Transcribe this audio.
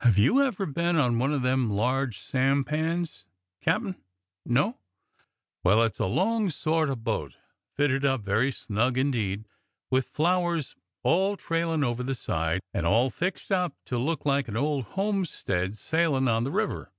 Have you ever been on one o' them large sampans. Captain.'^ No.'^ Well, it's a long sort o' boat, fitted up very snug indeed, with flowers all trailin' over the side, and all fixed up to look like an old homestead sailin' on the river.